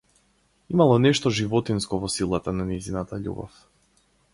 Имало нешто животинско во силата на нејзината љубов.